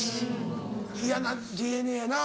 嫌なＤＮＡやなぁ。